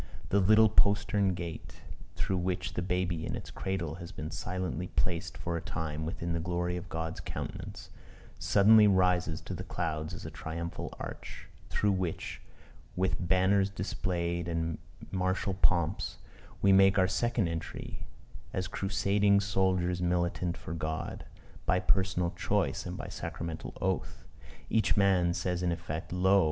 The little postern gate, through which the baby in its cradle had been silently placed for a time within the glory of God's countenance, suddenly rises to the clouds as a triumphal arch, through which, with banners displayed and martial pomps, we make our second entry as crusading soldiers militant for God, by personal choice and by sacramental oath. Each man says in effect "Lo!